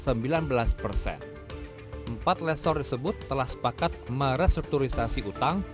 empat lesor disebut telah sepakat merestrukturisasi utang